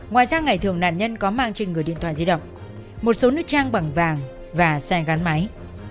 ngoài ra ngày thường nạn nhân có mang trên người điện thoại di động một số nước trang bằng vàng và xe gắn máy